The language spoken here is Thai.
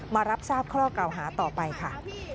มารับทราบข้อเก่าหาต่อไปค่ะ